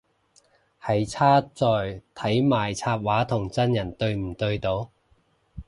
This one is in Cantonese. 係差在睇埋插畫同真人對唔對到